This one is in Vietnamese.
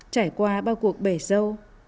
trải qua bao cuộc bể dâu